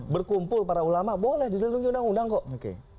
berkumpul para ulama boleh dilindungi undang undang kok